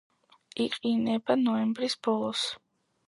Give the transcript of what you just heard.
იყინება ნოემბრის ბოლოს.